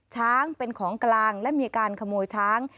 ช้างเป็นของกลางและมีการขโมยช้าง